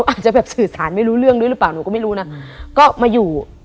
อาจจะแบบสื่อสารไม่รู้เรื่องด้วยหรือเปล่าหนูก็ไม่รู้นะก็มาอยู่